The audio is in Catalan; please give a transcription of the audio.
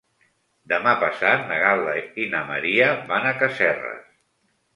Demà passat na Gal·la i na Maria van a Casserres.